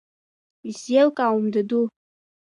Исзеилкаауам, даду…